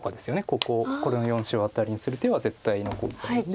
こここの４子をアタリにする手は絶対のコウ材で。